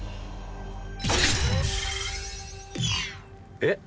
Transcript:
えっ？